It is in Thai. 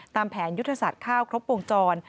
ตามแผนยุทธศาสตร์ข้าวครบวงจร